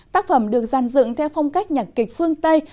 tác phẩm được dàn dựng theo phong cách nhạc kịch phương tây